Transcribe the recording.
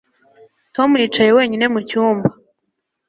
Tom yicaye wenyine mu cyumba